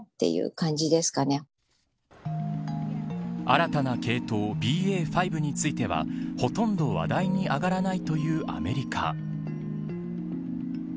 新たな系統ＢＡ．５についてはほとんど話題に上がらないというアメリカ。